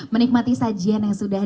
menikmati sajian yang sudah